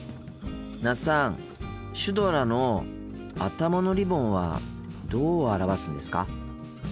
那須さんシュドラの頭のリボンはどう表すんですか？